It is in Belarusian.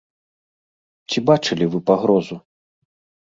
Ці бачылі вы пагрозу?